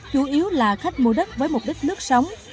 chủ yếu là khách mua đất với mục đích nướt sống